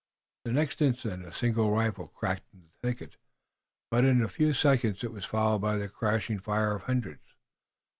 The next instant a single rifle cracked in the thicket, but in a few seconds it was followed by the crashing fire of hundreds.